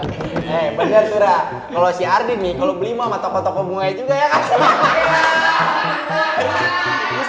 hei bener tuh ra kalo si ardin nih kalo beli mah sama toko toko bunganya juga ya kak